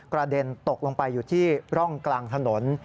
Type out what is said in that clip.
เด็นตกลงไปอยู่ที่ร่องกลางถนน